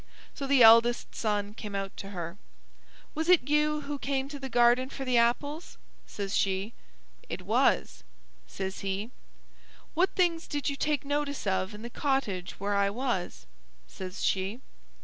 So the eldest son came out to her. "Was it you came to the garden for the apples?" says she. "It was," says he. "What things did you take notice of in the cottage where I was?" says she.